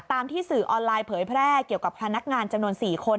ที่สื่อออนไลน์เผยแพร่เกี่ยวกับพนักงานจำนวน๔คน